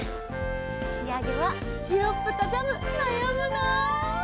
しあげはシロップとジャムなやむな。